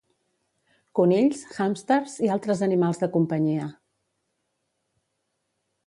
Conills, hàmsters i altres animals de companyia.